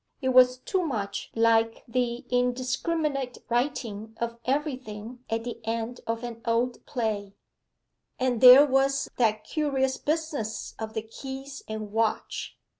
It was too much like the indiscriminate righting of everything at the end of an old play. And there was that curious business of the keys and watch.